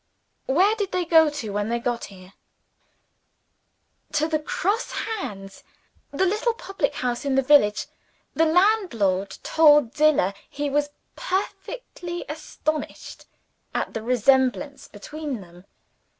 "Where did they go to, when they got here?" "To the Cross Hands the little public house in the village. The landlord told Zillah he was perfectly astonished at the resemblance between them.